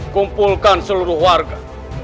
kumpulkan seluruh warga